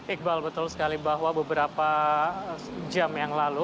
iqbal betul sekali bahwa beberapa jam yang lalu